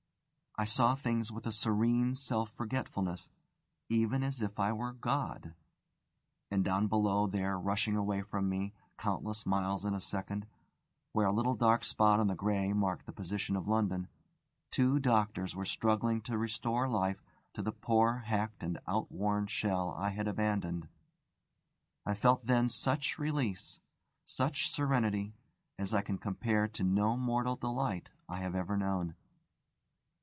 I saw things with a serene self forgetfulness, even as if I were God. And down below there, rushing away from me, countless miles in a second, where a little dark spot on the grey marked the position of London, two doctors were struggling to restore life to the poor hacked and outworn shell I had abandoned. I felt then such release, such serenity as I can compare to no mortal delight I have ever known.